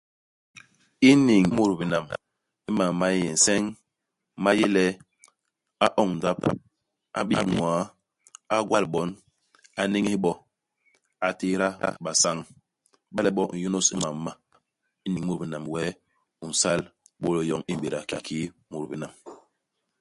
Iniñ i mut binam, imam ma yé nye nseñ ma yé le, a oñ ndap ; a bii ñwaa, a gwal bon ; a n'néñés bo, a tééda basañ. Iba le bo u n'yônôs imam ma iniñ i mut binam, wee u nsal bôlô yoñ i m'béda kiki mut binam.